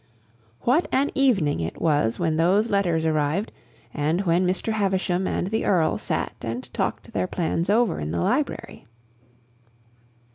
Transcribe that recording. What an evening it was when those letters arrived, and when Mr. Havisham and the Earl sat and talked their plans over in the library!